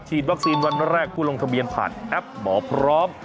วัคซีนวันแรกผู้ลงทะเบียนผ่านแอปหมอพร้อม